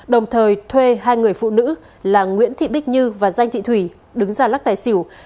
đồng thời thuê hai người phụ nữ là nguyễn thị bích như và danh thị thủy đứng ra lắc tài xỉu